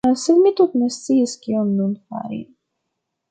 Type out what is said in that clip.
Sed mi tute ne sciis, kion nun fari.